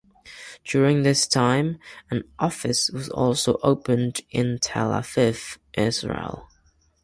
During this time, an office was also opened in Tel Aviv, Israel.